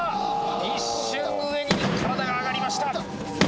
一瞬上に体が上がりました。